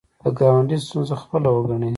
د ګاونډي ستونزه خپله وګڼئ